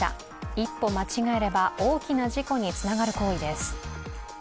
一歩間違えれば、大きな事故につながる行為です。